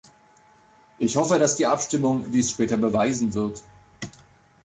Ich hoffe, dass die Abstimmung dies später beweisen wird.